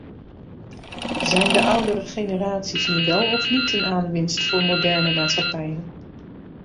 Zijn de oudere generaties nu wel of niet een aanwinst voor moderne maatschappijen?